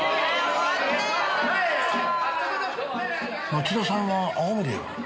町田さんは青森へは？